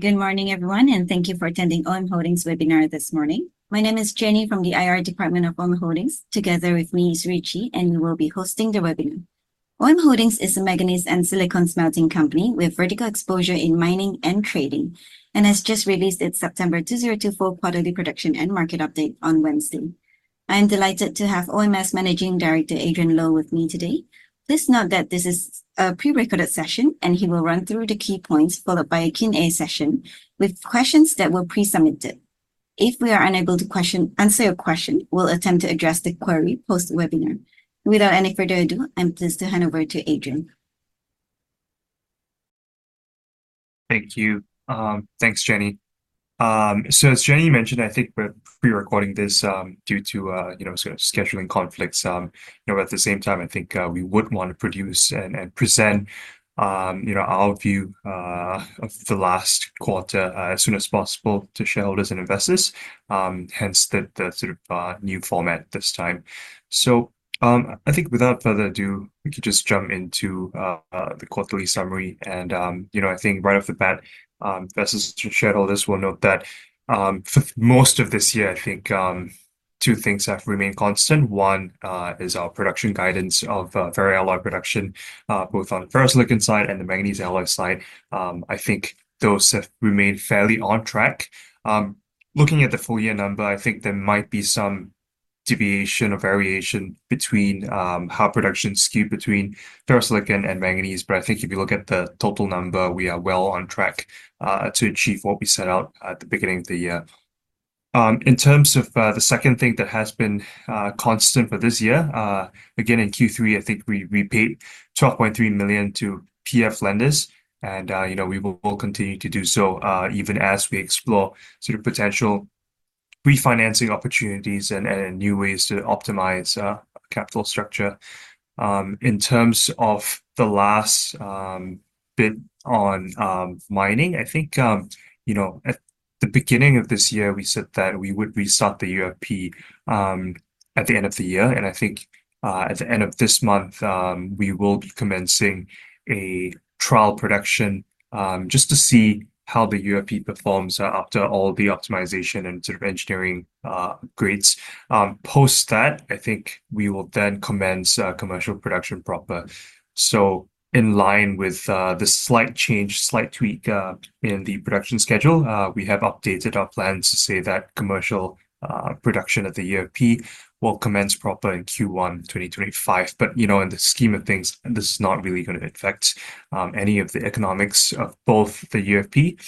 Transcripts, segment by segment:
Good morning, everyone, and thank you for attending OM Holdings' webinar this morning. My name is Jenny from the IR Department of OM Holdings. Together with me is Richie, and we will be hosting the webinar. OM Holdings is a manganese and silicon smelting company with vertical exposure in mining and trading, and has just released its September 2024 quarterly production and market update on Wednesday. I am delighted to have OM's Managing Director Adrian Low with me today. Please note that this is a prerecorded session, and he will run through the key points followed by a Q&A session with questions that were pre-submitted. If we are unable to answer your question, we'll attempt to address the query post-webinar. Without any further ado, I'm pleased to hand over to Adrian. Thank you. Thanks, Jenny. So, as Jenny mentioned, I think we're pre-recording this due to, you know, sort of scheduling conflicts. You know, at the same time, I think we would want to produce and present, you know, our view of the last quarter as soon as possible to shareholders and investors, hence the sort of new format this time. So, I think without further ado, we could just jump into the quarterly summary. And, you know, I think right off the bat, investors and shareholders will note that for most of this year, I think two things have remained constant. One is our production guidance of ferroalloy production, both on the ferrosilicon side and the manganese alloy side. I think those have remained fairly on track. Looking at the full year number, I think there might be some deviation or variation between how production skewed between ferrosilicon and manganese. But I think if you look at the total number, we are well on track to achieve what we set out at the beginning of the year. In terms of the second thing that has been constant for this year, again, in Q3, I think we repaid $12.3 million to PF lenders, and, you know, we will continue to do so even as we explore sort of potential refinancing opportunities and new ways to optimize capital structure. In terms of the last bit on mining, I think, you know, at the beginning of this year, we said that we would restart the UFP at the end of the year. I think at the end of this month, we will be commencing a trial production just to see how the UFP performs after all the optimization and sort of engineering upgrades. Post that, I think we will then commence commercial production proper. In line with the slight change, slight tweak in the production schedule, we have updated our plans to say that commercial production of the UFP will commence proper in Q1 2025. But, you know, in the scheme of things, this is not really going to affect any of the economics of both the UFP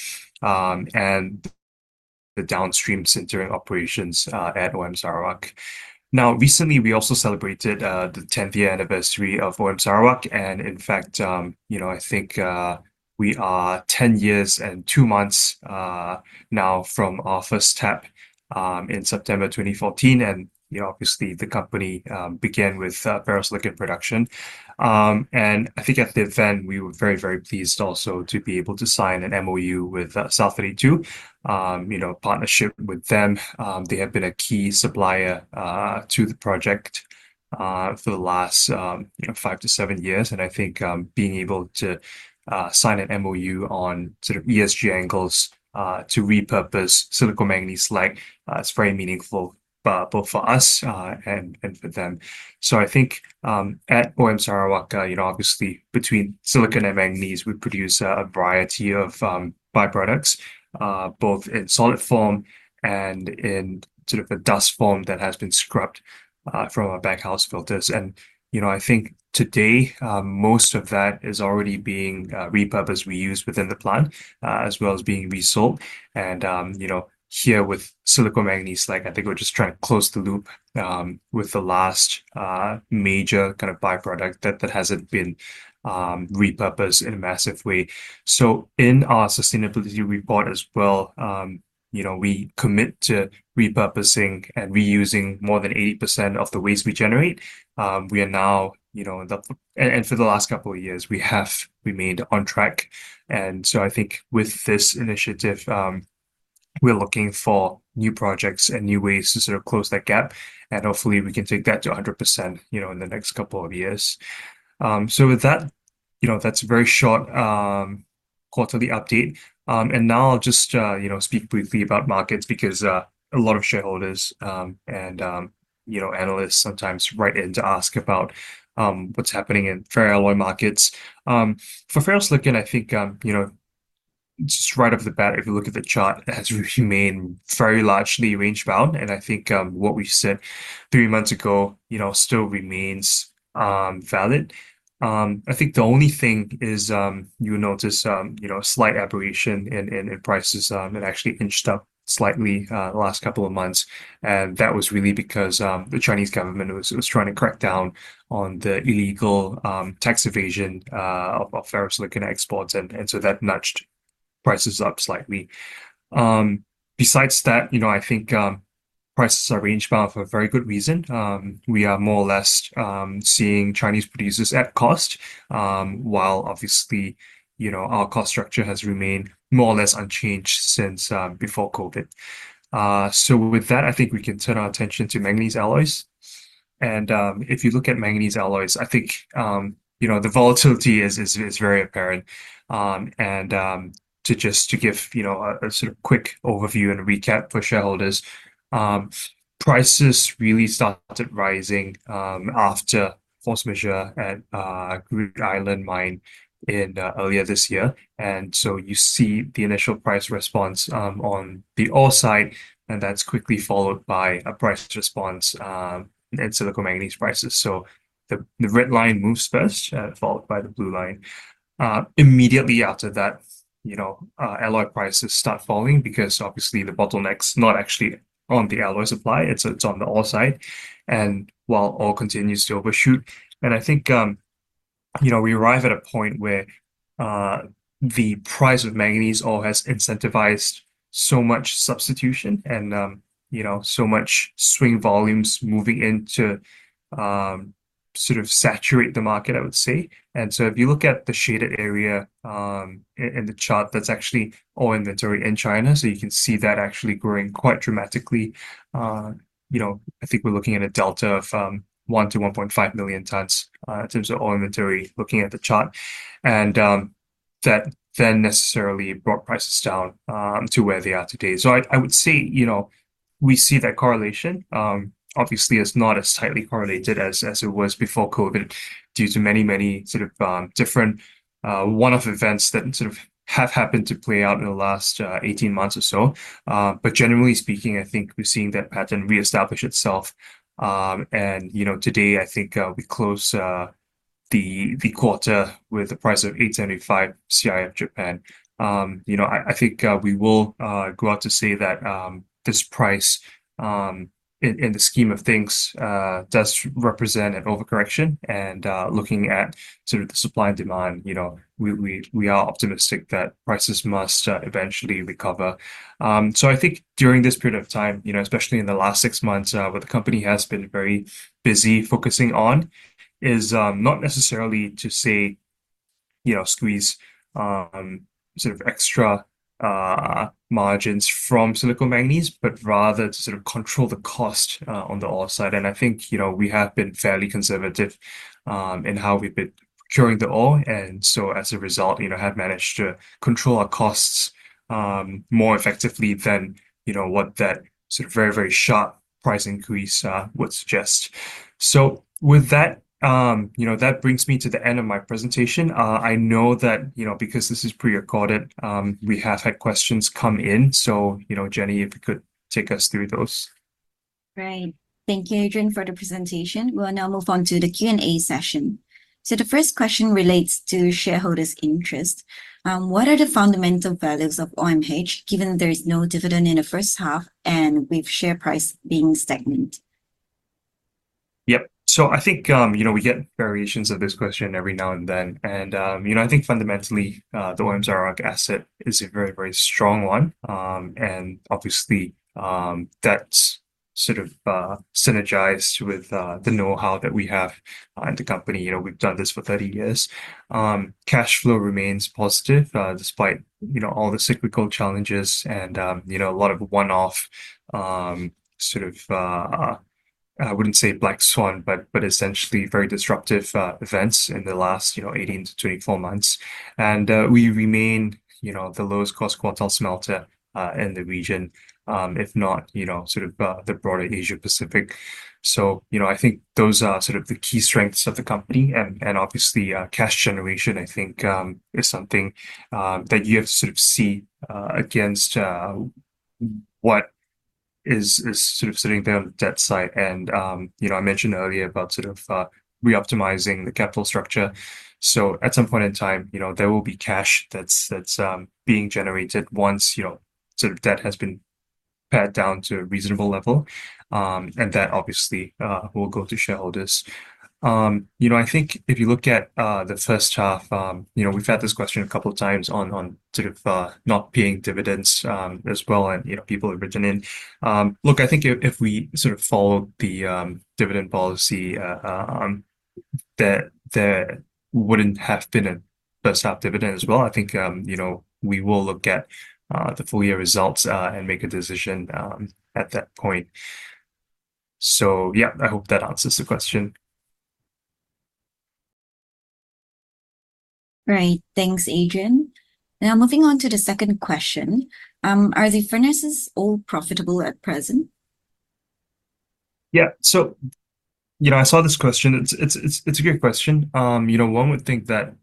and the downstream sintering operations at OM Sarawak. Recently, we also celebrated the 10th year anniversary of OM Sarawak. In fact, you know, I think we are 10 years and 2 months now from our first tap in September 2014. Obviously, the company began with ferrosilicon production. I think at the event, we were very, very pleased also to be able to sign an MoU with South32, you know, partnership with them. They have been a key supplier to the project for the last, you know, five to seven years. I think being able to sign an MoU on sort of ESG angles to repurpose silicomanganese slag is very meaningful both for us and for them. I think at OM Sarawak, you know, obviously, between silicon and manganese, we produce a variety of byproducts, both in solid form and in sort of a dust form that has been scrubbed from our baghouse filters. You know, I think today, most of that is already being repurposed. We use within the plant, as well as being resold. You know, here with silicomanganese slag, I think we're just trying to close the loop with the last major kind of byproduct that hasn't been repurposed in a massive way. In our sustainability report as well, you know, we commit to repurposing and reusing more than 80% of the waste we generate. We are now, you know, and for the last couple of years, we have remained on track. I think with this initiative, we're looking for new projects and new ways to sort of close that gap. Hopefully, we can take that to 100%, you know, in the next couple of years. With that, you know, that's a very short quarterly update. Now I'll just, you know, speak briefly about markets because a lot of shareholders and, you know, analysts sometimes write in to ask about what's happening in ferrosilicon markets. For ferrosilicon, I think, you know, just right off the bat, if you look at the chart, it has remained very largely range-bound. And I think what we said three months ago, you know, still remains valid. I think the only thing is you'll notice, you know, a slight aberration in prices. It actually inched up slightly the last couple of months. And that was really because the Chinese government was trying to crack down on the illegal tax evasion of ferrosilicon exports. And so, that nudged prices up slightly. Besides that, you know, I think prices are range-bound for a very good reason. We are more or less seeing Chinese producers at cost, while obviously, you know, our cost structure has remained more or less unchanged since before COVID. So, with that, I think we can turn our attention to manganese alloys. If you look at manganese alloys, I think, you know, the volatility is very apparent. To just give, you know, a sort of quick overview and recap for shareholders, prices really started rising after force majeure at Groote Eylandt Mine earlier this year. You see the initial price response on the ore side, and that's quickly followed by a price response in silicomanganese prices. The red line moves first, followed by the blue line. Immediately after that, you know, alloy prices start falling because obviously the bottleneck's not actually on the alloy supply. It's on the ore side. While ore continues to overshoot, and I think, you know, we arrive at a point where the price of manganese ore has incentivized so much substitution and, you know, so much swing volumes moving in to sort of saturate the market, I would say. If you look at the shaded area in the chart, that's actually ore inventory in China. You can see that actually growing quite dramatically. You know, I think we're looking at a delta of one to 1.5 million tons in terms of ore inventory looking at the chart. That then necessarily brought prices down to where they are today. I would say, you know, we see that correlation. Obviously, it's not as tightly correlated as it was before COVID due to many, many sort of different one-off events that sort of have happened to play out in the last 18 months or so. Generally speaking, I think we're seeing that pattern reestablish itself. You know, today, I think we close the quarter with a price of 875 CIF Japan. You know, I think we will go out to say that this price, in the scheme of things, does represent an overcorrection. Looking at sort of the supply and demand, you know, we are optimistic that prices must eventually recover. I think during this period of time, you know, especially in the last six months, what the company has been very busy focusing on is not necessarily to say, you know, squeeze sort of extra margins from silicomanganese, but rather to sort of control the cost on the ore side. I think, you know, we have been fairly conservative in how we've been procuring the ore. As a result, you know, have managed to control our costs more effectively than, you know, what that sort of very, very sharp price increase would suggest. So, with that, you know, that brings me to the end of my presentation. I know that, you know, because this is prerecorded, we have had questions come in. So, you know, Jenny, if you could take us through those. Great. Thank you, Adrian, for the presentation. We'll now move on to the Q&A session. So, the first question relates to shareholders' interest. What are the fundamental values of OMH, given there's no dividend in the first half and with share price being stagnant? Yep, so I think, you know, we get variations of this question every now and then. And, you know, I think fundamentally, the OM Sarawak asset is a very, very strong one. And obviously, that's sort of synergized with the know-how that we have at the company. You know, we've done this for 30 years. Cash flow remains positive despite, you know, all the cyclical challenges and, you know, a lot of one-off sort of, I wouldn't say black swan, but essentially very disruptive events in the last, you know, 18-24 months. And we remain, you know, the lowest cost quartile smelter in the region, if not, you know, sort of the broader Asia Pacific. So, you know, I think those are sort of the key strengths of the company. Obviously, cash generation, I think, is something that you have to sort of see against what is sort of sitting there on the debt side. You know, I mentioned earlier about sort of reoptimizing the capital structure. So, at some point in time, you know, there will be cash that's being generated once, you know, sort of debt has been pared down to a reasonable level. And that obviously will go to shareholders. You know, I think if you look at the first half, you know, we've had this question a couple of times on sort of not paying dividends as well and, you know, people are written in. Look, I think if we sort of follow the dividend policy, that wouldn't have been a first half dividend as well. I think, you know, we will look at the full year results and make a decision at that point. So, yeah, I hope that answers the question. Great. Thanks, Adrian. Now, moving on to the second question. Are the furnaces all profitable at present? Yeah. So, you know, I saw this question. It's a good question. You know, one would think that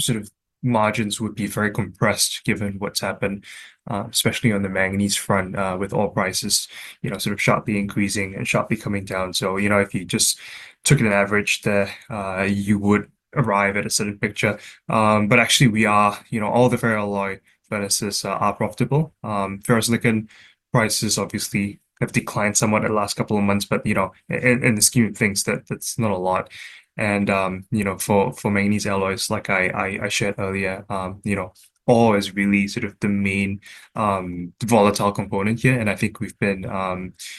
sort of margins would be very compressed given what's happened, especially on the manganese front with ore prices, you know, sort of sharply increasing and sharply coming down. So, you know, if you just took an average, you would arrive at a certain picture. But actually, we are, you know, all the ferrosilicon furnaces are profitable. Ferrosilicon prices obviously have declined somewhat in the last couple of months. But, you know, in the scheme of things, that's not a lot. And, you know, for manganese alloys, like I shared earlier, you know, ore is really sort of the main volatile component here. And I think we've been,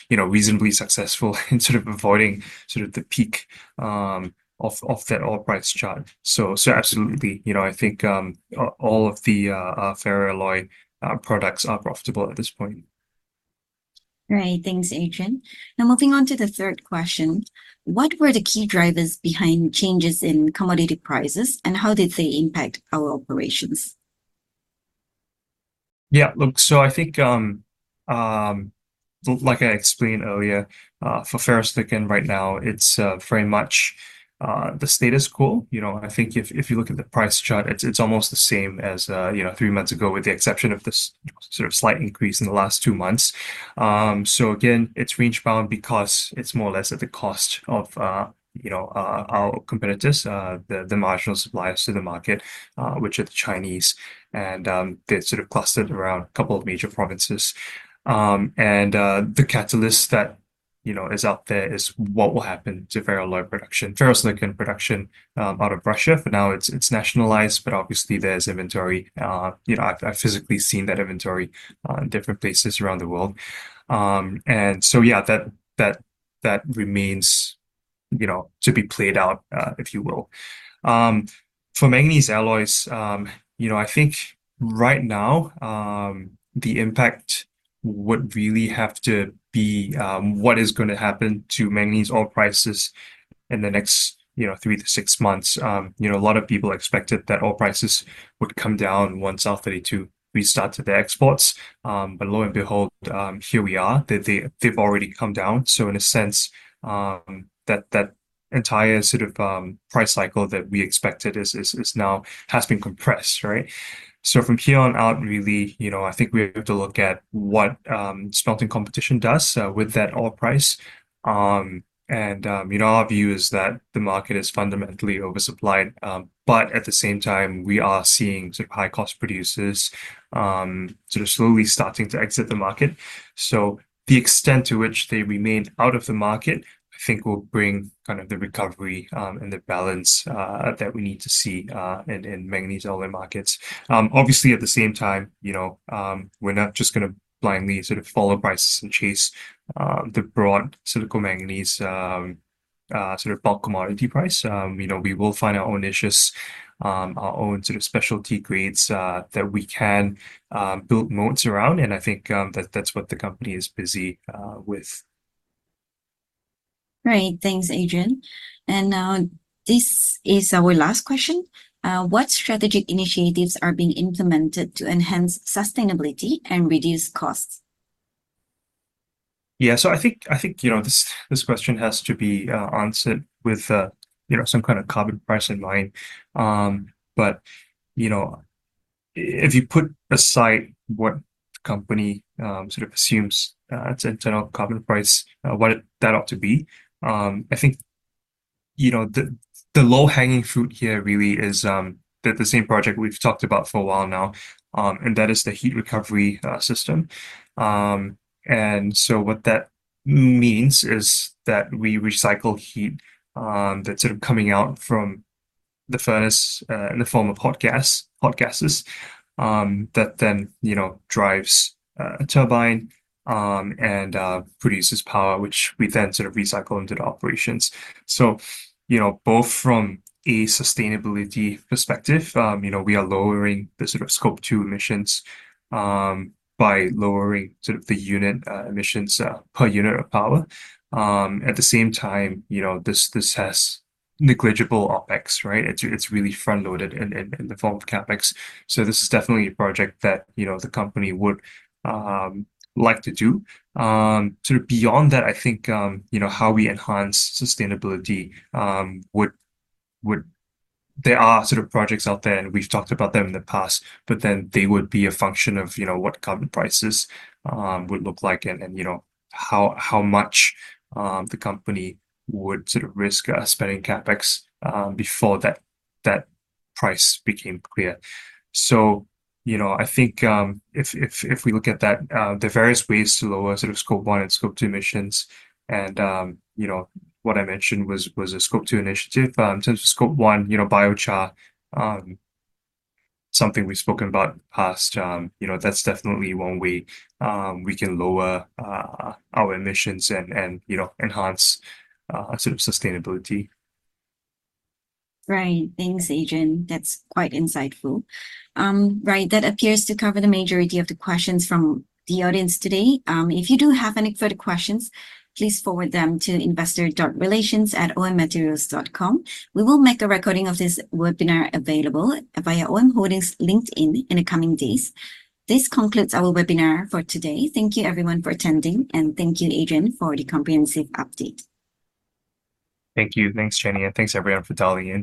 you know, reasonably successful in sort of avoiding sort of the peak of that ore price chart. Absolutely, you know, I think all of the ferroalloy products are profitable at this point. Great. Thanks, Adrian. Now, moving on to the third question. What were the key drivers behind changes in commodity prices and how did they impact our operations? Yeah. Look, so I think, like I explained earlier, for ferrosilicon right now, it's very much the status quo. You know, I think if you look at the price chart, it's almost the same as, you know, three months ago with the exception of this sort of slight increase in the last two months. So, again, it's range-bound because it's more or less at the cost of, you know, our competitors, the marginal suppliers to the market, which are the Chinese. And they're sort of clustered around a couple of major provinces. And the catalyst that, you know, is out there is what will happen to ferrosilicon production, ferrosilicon production out of Russia. For now, it's nationalized, but obviously, there's inventory. You know, I've physically seen that inventory in different places around the world. And so, yeah, that remains, you know, to be played out, if you will. For manganese alloys, you know, I think right now, the impact would really have to be what is going to happen to manganese ore prices in the next, you know, three to six months. You know, a lot of people expected that ore prices would come down once South32 restarts their exports. But lo and behold, here we are. They've already come down. So, in a sense, that entire sort of price cycle that we expected is now has been compressed, right? So, from here on out, really, you know, I think we have to look at what smelting competition does with that ore price. And, you know, our view is that the market is fundamentally oversupplied. But at the same time, we are seeing sort of high-cost producers sort of slowly starting to exit the market. So, the extent to which they remain out of the market, I think, will bring kind of the recovery and the balance that we need to see in manganese alloy markets. Obviously, at the same time, you know, we're not just going to blindly sort of follow prices and chase the broad silicomanganese sort of bulk commodity price. You know, we will find our own niches, our own sort of specialty grades that we can build moats around. And I think that's what the company is busy with. Great. Thanks, Adrian. And now, this is our last question. What strategic initiatives are being implemented to enhance sustainability and reduce costs? Yeah. So, I think, you know, this question has to be answered with, you know, some kind of carbon price in mind. But, you know, if you put aside what the company sort of assumes its internal carbon price, what did that ought to be? I think, you know, the low-hanging fruit here really is the same project we've talked about for a while now. And that is the heat recovery system. And so, what that means is that we recycle heat that's sort of coming out from the furnace in the form of hot gases that then, you know, drives a turbine and produces power, which we then sort of recycle into the operations. So, you know, both from a sustainability perspective, you know, we are lowering the sort of Scope 2 emissions by lowering sort of the unit emissions per unit of power. At the same time, you know, this has negligible OpEx, right? It's really front-loaded in the form of CapEx. So, this is definitely a project that, you know, the company would like to do. Sort of beyond that, I think, you know, how we enhance sustainability would, there are sort of projects out there, and we've talked about them in the past, but then they would be a function of, you know, what carbon prices would look like and, you know, how much the company would sort of risk spending CapEx before that price became clear. So, you know, I think if we look at that, there are various ways to lower sort of Scope 1 and Scope 2 emissions. And, you know, what I mentioned was a Scope 2 initiative. In terms of Scope 1, you know, biochar, something we've spoken about in the past, you know, that's definitely one way we can lower our emissions and, you know, enhance sort of sustainability. Great. Thanks, Adrian. That's quite insightful. Right. That appears to cover the majority of the questions from the audience today. If you do have any further questions, please forward them to investor.relations@ommaterials.com. We will make a recording of this webinar available via OM Holdings' LinkedIn in the coming days. This concludes our webinar for today. Thank you, everyone, for attending and thank you, Adrian, for the comprehensive update. Thank you. Thanks, Jenny, and thanks, everyone, for dialing.